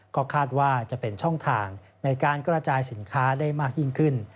ก็คาดว่าจะเป็นช่องทางในการกระจายสินค้าได้มากยิ่งขึ้น